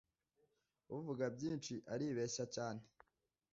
uvuga byinshi aribeshya cyane.